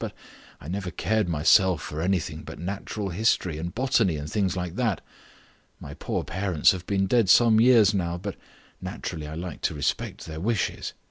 But I never cared myself for anything but natural history and botany and things like that. My poor parents have been dead some years now, but naturally I like to respect their wishes.